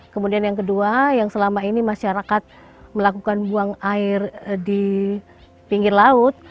kemudian yang kedua yang selama ini masyarakat melakukan buang air di pinggir laut